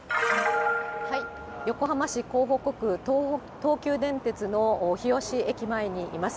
横浜市港北区、東急電鉄の日吉駅前にいます。